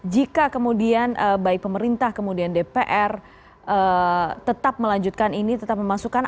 jika kemudian baik pemerintah kemudian dpr tetap melanjutkan ini tetap memasukkan